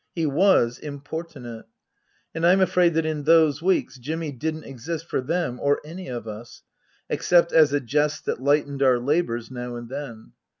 He was importunate ; and I'm afraid that in those weeks Jimmy didn't exist for them or any of us, except as a jest that lightened our labours now and then.